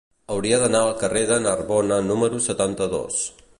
Hauria d'anar al carrer de Narbona número setanta-dos.